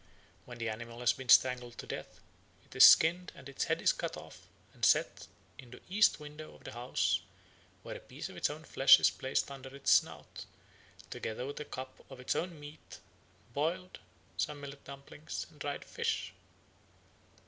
When the animal has been strangled to death, it is skinned and its head is cut off and set in the east window of the house, where a piece of its own flesh is placed under its snout, together with a cup of its own meat boiled, some millet dumplings, and dried fish.